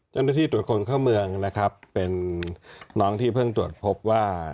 เจ้าหน้าที่ตรวจคนเข้าเมืองนะครับเป็นน้องที่เพิ่งตรวจพบว่า